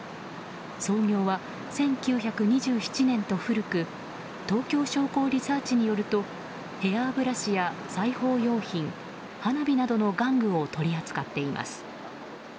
創業は１９２７年と古く東京商工リサーチによるとヘアブラシや裁縫用品、花火などの玩具を取り扱っています。